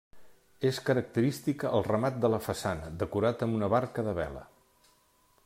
És característic el remat de la façana, decorat amb una barca de vela.